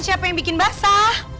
siapa yang bikin basah